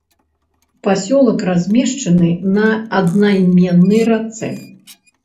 Пасёлак размешчаны на аднайменнай рацэ.